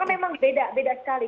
karena memang beda beda sekali